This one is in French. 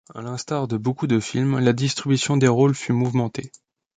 À l'instar de beaucoup de films, la distribution des rôles fut mouvementée.